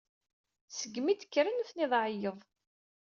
Seg mi d-kkren nutni d aɛeyyeḍ